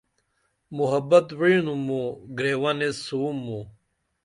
محبت وعینُم موں گریون ایس سُووم موں